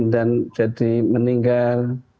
dan jadi meninggal